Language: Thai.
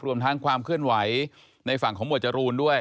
รวมทั้งความเคลื่อนไหวในฝั่งของหมวดจรูนด้วย